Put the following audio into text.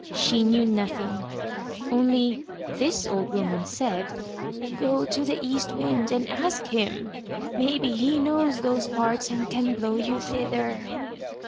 She knew nothing, only this old woman said; "Go to the East Wind and ask him. Maybe he knows those parts and can blow you thither."